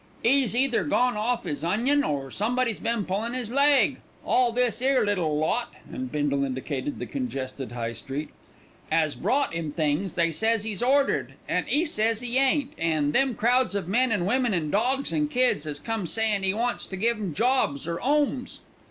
"'E's either gone off 'is onion or someone's been pullin' 'is leg. All this 'ere little lot," and Bindle indicated the congested High Street, "'as brought 'im things they says 'e's ordered, and 'e says 'e ain't, an' them crowds of men, women, and dogs and kids 'as come sayin' he wants to give 'em jobs or 'omes."